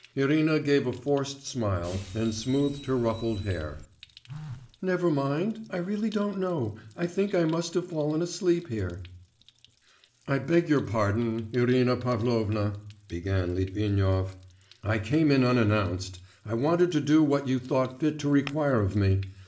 Irina gave a forced smile and smoothed her ruffled hair. 'Never mind.... I really don't know.... I think I must have fallen asleep here.' 'I beg your pardon, Irina Pavlovna,' began Litvinov. 'I came in unannounced.... I wanted to do what you thought fit to require of me.